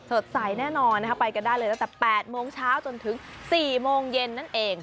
สดใสแน่นอนนะคะไปกันได้เลยตั้งแต่๘โมงเช้าจนถึง๔โมงเย็นนั่นเอง